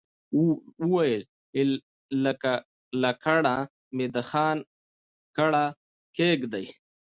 وويل يې لکڼه مې د خان کړه کېږدئ.